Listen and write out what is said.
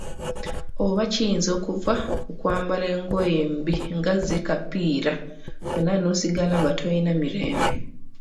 Oba kiyinza okuva ku kwambala engoye embi nga zi "kapiira" wenna n'osigala nga tolina mirembe.